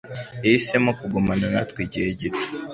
yahisemo kugumana natwe igihe gito.